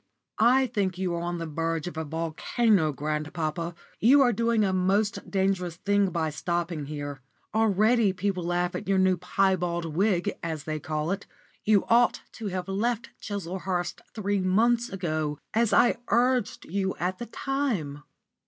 "I think you are on the verge of a volcano, grandpapa. You are doing a most dangerous thing by stopping here. Already people laugh at your new piebald wig, as they call it. You ought to have left Chislehurst three months ago, as I urged you at the time."